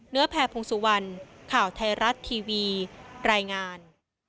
เนื้อแพพงศวรรษ์ข่าวไทยรัฐทีวีรายงาน